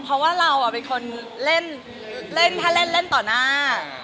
เค้าคงเป็นคนเล่นถ้าเล่นเล่นต่อหน้า